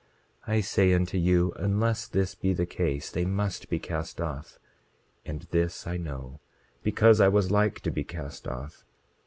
27:27 I say unto you, unless this be the case, they must be cast off; and this I know, because I was like to be cast off.